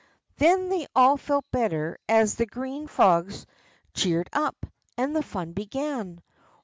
Then they all felt better as the green frogs cheered up, and the fun began.